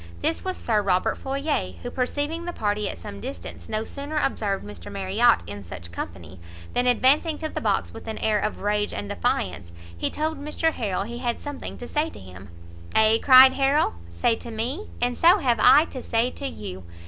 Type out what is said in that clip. This was Sir Robert Floyer, who perceiving the party at some distance, no sooner observed Mr Marriot in such company, than advancing to the box with an air of rage and defiance, he told Mr Harrel he had something to say to him. "Ay," cried Harrel, "say to me? and so have I to say to you!